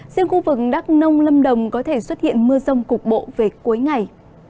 riêng khu vực đắk nông lâm đồng có thể xuất hiện mưa rông cục bộ về cuối ngày